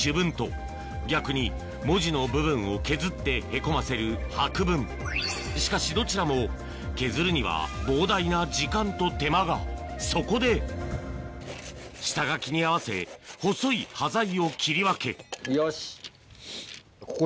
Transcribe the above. ハンコやスタンプの作り方は大きく２つしかしどちらも削るには膨大な時間と手間がそこで下書きに合わせ細い端材を切り分けよし。